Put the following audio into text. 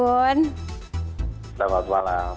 mas ibu selamat malam